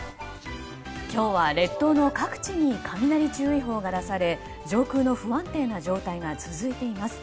今日は列島の各地に雷注意報が出され上空の不安定な状態が続いています。